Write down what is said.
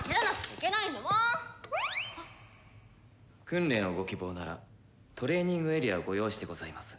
訓練をご希望ならトレーニングエリアをご用意してございます。